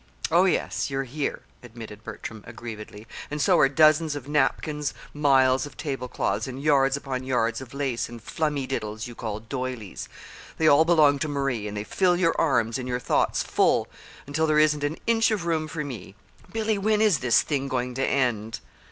"Oh, yes, you're here," admitted Bertram, aggrievedly, "and so are dozens of napkins, miles of table cloths, and yards upon yards of lace and flummydiddles you call 'doilies.' They all belong to Marie, and they fill your arms and your thoughts full, until there isn't an inch of room for me. Billy, when is this thing going to end?"